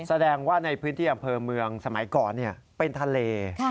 แสดงว่าในพื้นที่อำเภอเมืองสมัยก่อนเป็นทะเล